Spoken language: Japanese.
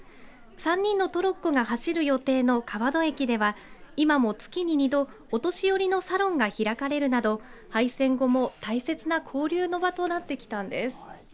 ３人のトロッコが走る予定の川戸駅では今も月に２度お年寄りのサロンが開かれるなど廃線後も大切な交流の場となってきたんです。